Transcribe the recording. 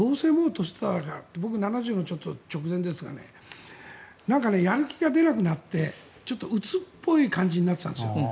僕７０の直前ですがやる気がなくなってちょっと、うつっぽい感じになっていたんです。